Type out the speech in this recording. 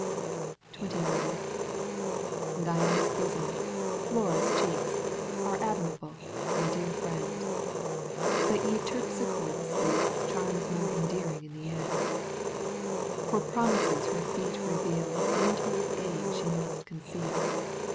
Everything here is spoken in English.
• XXIX. Diana's bosom, Flora's cheeks. Are admirable, my dear Mend, But yet Terpsichore bespeaks Charms more enduring in the end. For promises her feet reveal Of untold gain she must conceal.